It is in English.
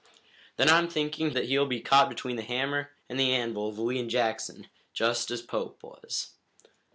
"Then I'm thinking that he'll be caught between the hammer and the anvil of Lee and Jackson, just as Pope was."